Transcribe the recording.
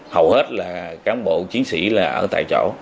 hầu hết là cán bộ chiến sĩ là ở tại chỗ